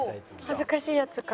恥ずかしいやつか。